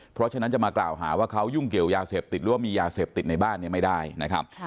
เพราะฉะนั้นจะมากล่าวหาว่าเขายุ่งเกี่ยวยาเสพติดหรือว่ามียาเสพติดในบ้านเนี่ยไม่ได้นะครับ